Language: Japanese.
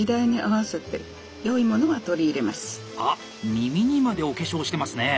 耳にまでお化粧してますね！